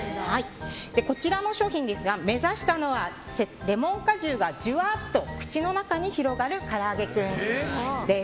こちらの商品ですが目指したのはレモン果汁がジュワッと口の中に広がるからあげクン。